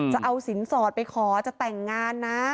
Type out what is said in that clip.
จะเอาสินสอดไปขอจะแต่งงานนะ